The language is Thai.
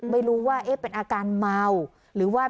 ไม่รู้ว่าเป็นอาการเมา